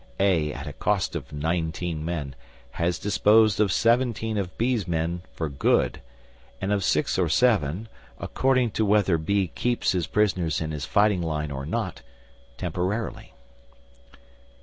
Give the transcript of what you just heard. A, at a cost of nineteen men, has disposed of seventeen of B's men for good, and of six or seven, according to whether B keeps his prisoners in his fighting line or not, temporarily.